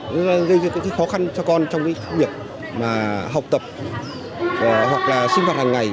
nó gây ra khó khăn cho con trong việc học tập hoặc là sinh hoạt hàng ngày